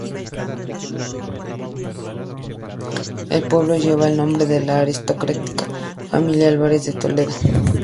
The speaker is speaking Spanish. El pueblo lleva el nombre de la aristocrática familia Álvarez de Toledo.